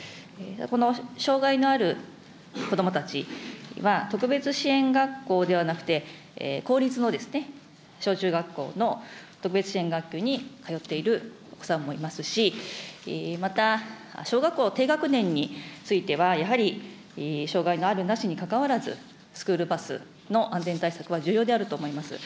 この障害のある子どもたちは、特別支援学校ではなくて、公立の小中学校の特別支援学級に通っているお子さんもいますし、また、小学校低学年については、やはり障害のあるなしにかかわらず、スクールバスの安全対策は重要であると思います。